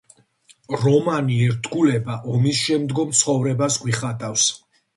რომანი „ერთგულება“ ომისშემდგომ ცხოვრებას გვიხატავს.